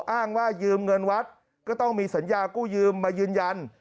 อ้างว่ายืมเงินวัดก็ต้องมีสัญญากู้ยืมมายืนยัน